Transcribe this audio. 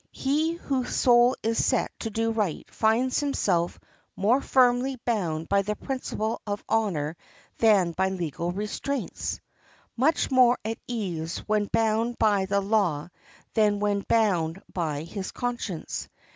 He whose soul is set to do right finds himself more firmly bound by the principle of honor than by legal restraints—much more at ease when bound by the law than when bound by his conscience.